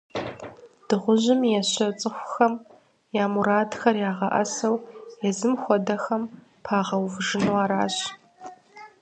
Дыгъужьым ещӀэ цӀыхухэм я мурадыр - ягъэӀэсэу езым хуэдэхэм пагъэувыжыну аращ.